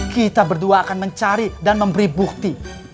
kita berdua akan mencari dan memberi bukti